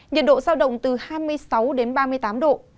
nhiệt độ giao động từ hai mươi sáu đến ba mươi tám độ